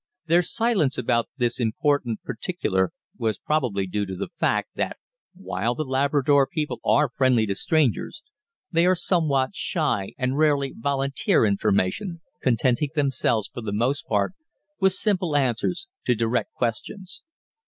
Their silence about this important particular was probably due to the fact, that while the Labrador people are friendly to strangers, they are somewhat shy and rarely volunteer information, contenting themselves, for the most part, with simple answers to direct questions.